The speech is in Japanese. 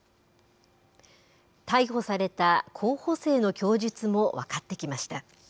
逮捕された候補生の供述も分かってきました。